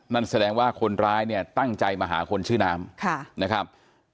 นั่นแสดงว่าคนร้ายเนี่ยตั้งใจมาหาคนชื่อน้ำนะครับ